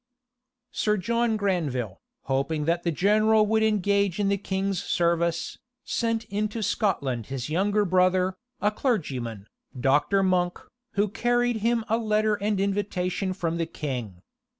* Gumble's Life of Monk, p. 93. Sir John Granville, hoping that the general would engage in the king's service, sent into Scotland his younger brother, a clergyman, Dr. Monk, who carried him a letter and invitation from the king.